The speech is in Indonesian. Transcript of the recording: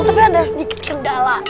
tapi ada sedikit kendala